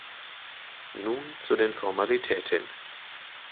Nun zu den Formalitäten.